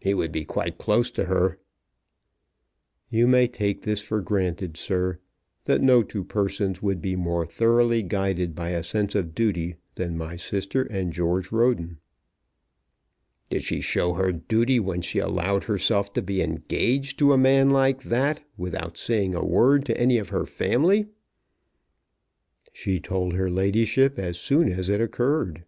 "He would be quite close to her." "You may take this for granted, sir, that no two persons would be more thoroughly guided by a sense of duty than my sister and George Roden." "Did she show her duty when she allowed herself to be engaged to a man like that without saying a word to any of her family." "She told her ladyship as soon as it occurred."